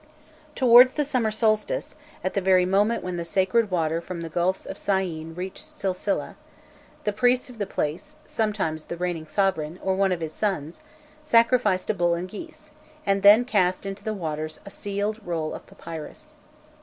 Towards the summer solstice, at the very moment when the sacred water from the gulfs of Syene reached Silsileh, the priests of the place, sometimes the reigning sovereign, or one of his sons, sacrificed a bull and geese, and then cast into the waters a sealed roll of papyrus.